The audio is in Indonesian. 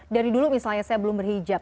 dari dulu misalnya saya belum berhijab